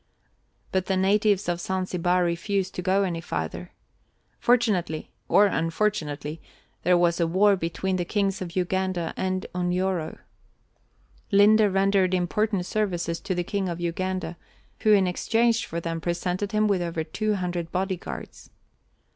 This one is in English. But the natives of Zanzibar refused to go any farther. Fortunately, or unfortunately, there was a war between the kings of Uganda and Unyoro. Linde rendered important services to the king of Uganda, who in exchange for them presented him with over two hundred bodyguards.